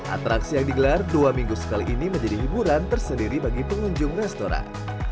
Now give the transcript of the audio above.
atraksi yang digelar dua minggu sekali ini menjadi hiburan tersendiri bagi pengunjung restoran